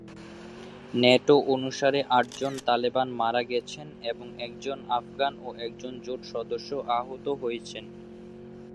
NATO অনুসারে, আটজন Taliban মারা গেছেন এবং একজন আফগান ও একজন জোট সদস্য আহত হয়েছেন।